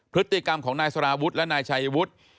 พฤติกรรมของนายสารวุฒิและนายชัยวุฒิ